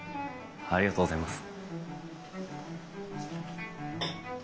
ありがとうございます。